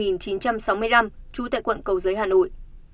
năm một nghìn chín trăm sáu mươi năm trú tại quận cầu giới hà nội